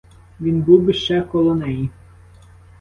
Він був би ще коло неї!